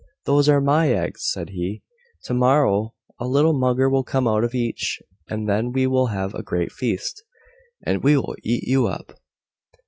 "Those are my eggs," said he; "to morrow a little mugger will come out of each, and then we will have a great feast, and we will eat you up."